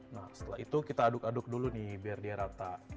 nah setelah itu kita aduk aduk dulu nih biar dia rata